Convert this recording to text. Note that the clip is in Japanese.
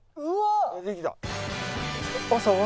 うわ！